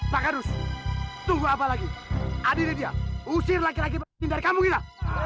pak kadus tunggu apa lagi hadirin dia usir laki laki dari kampung kita